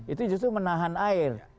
itu justru menahan air